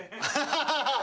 ハハハハ。